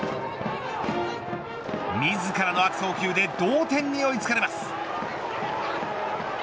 自らの悪送球で同点に追いつかれます。